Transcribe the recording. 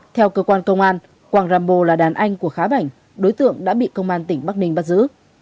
theo cơ quan công an quang rambo là đàn anh của khá bảnh đối tượng đã bị công an tỉnh bắc ninh bắt giữ